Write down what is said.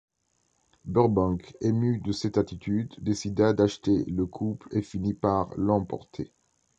Burbank, ému de cette attitude, décida d'acheter le couple et finit par l'emporter.